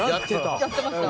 やってました。